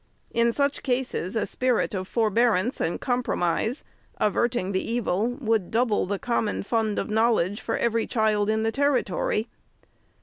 In such cases, .a spirit of forbearance and compromise, avert ing the evil, would double the common fund of knowl edge for every child in the territory.